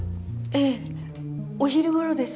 ええお昼頃です。